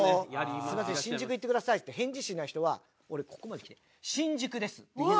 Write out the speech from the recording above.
「すみません新宿行ってください」っつって返事しない人は俺ここまで来て「新宿です」って言う。